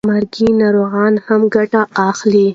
مرګي ناروغان هم ګټه اخلي.